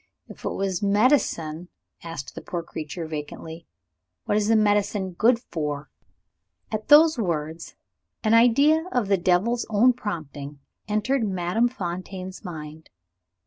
"If it was medicine," asked the poor creature vacantly, "what is the medicine good for?" At those words, an idea of the devil's own prompting entered Madame Fontaine's mind.